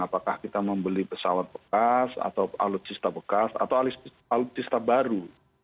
apakah kita membeli pesawat bekas atau alutsista bekas atau alutsista baru